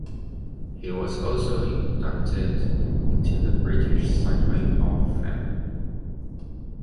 He was also inducted into the British Cycling Hall of Fame.